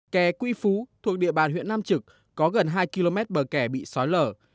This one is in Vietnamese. kè quy phú thuộc địa bàn huyện nam trực có gần hai km bờ kè bị sói lở